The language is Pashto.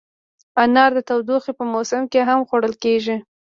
انار د تودوخې په موسم کې هم خوړل کېږي.